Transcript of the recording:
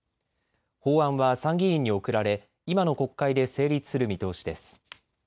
法案は参議院に送られ今の国会で成立する見通しです。